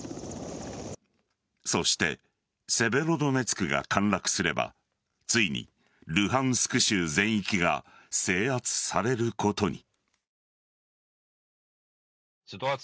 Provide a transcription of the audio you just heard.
そしてセベロドネツクが陥落すればついにルハンスク州全域が制圧されることに。